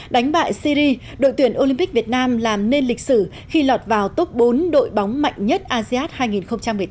đánh bại syri đội tuyển olympic việt nam làm nên lịch sử khi lọt vào top bốn đội bóng mạnh nhất asean hai nghìn một mươi tám